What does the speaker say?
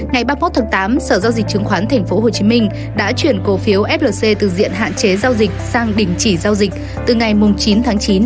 ngày ba mươi một tháng tám sở giao dịch chứng khoán tp hcm đã chuyển cổ phiếu flc từ diện hạn chế giao dịch sang đình chỉ giao dịch từ ngày chín tháng chín năm hai nghìn hai mươi hai